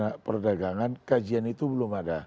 karena perdagangan kajian itu belum ada